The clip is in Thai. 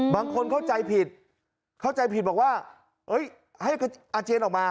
บางคนเข้าใจผิดเข้าใจผิดบอกว่าให้อาเจียนออกมา